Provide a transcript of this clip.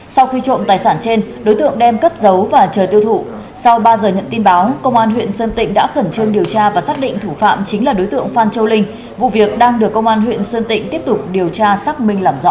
sau khi trộm tài sản trên đối tượng đem cất giấu và chờ tiêu thụ sau ba giờ nhận tin báo công an huyện sơn tịnh đã khẩn trương điều tra và xác định thủ phạm chính là đối tượng phan châu linh vụ việc đang được công an huyện sơn tịnh tiếp tục điều tra xác minh làm rõ